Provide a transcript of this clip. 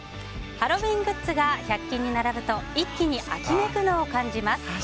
ハロウィーングッズが１００均に並ぶと一気に秋めくのを感じます。